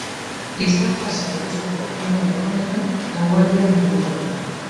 Izar-jasa ikusteko unerik onena gauerdian helduko da.